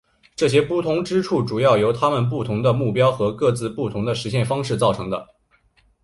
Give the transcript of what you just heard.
这些不同之处主要是由他们不同的目标和各自不同的实现方式造成的。